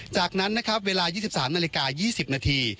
จากนั้นนะครับเวลา๒๓นาฬิกา๒๐นาที